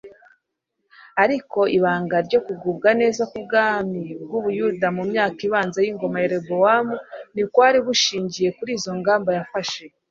ariko ibanga ryo kugubwa neza k'ubwami bw'ubuyuda mu myaka ibanza y'ingoma ya rehobowamu ntikwari gushingiye kuri izo ngamba yafashe